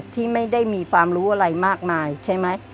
ที่ไม่ได้มีความรู้อะไรมากมายใช่ไหม